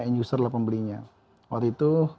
end user lah pembelinya waktu itu